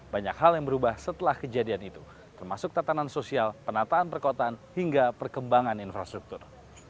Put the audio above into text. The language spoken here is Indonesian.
banyak hal yang berubah setelah kejadian itu termasuk tatanan sosial penataan perkotaan hingga perkembangan infrastruktur